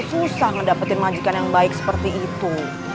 susah mendapatkan majikan yang baik seperti itu